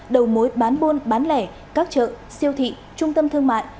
đầu mối bán buôn bán lẻ các chợ siêu thị trung tâm thương mại